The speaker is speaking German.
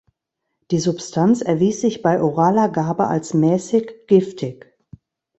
Die Substanz erwies sich bei oraler Gabe als mäßig giftig.